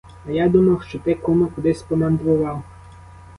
А я думав, що ти, куме, кудись помандрував.